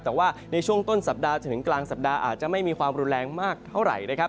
แต่ว่าในช่วงต้นสัปดาห์จนถึงกลางสัปดาห์อาจจะไม่มีความรุนแรงมากเท่าไหร่นะครับ